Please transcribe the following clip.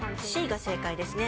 Ｃが正解ですね。